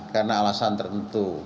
karena alasan tertentu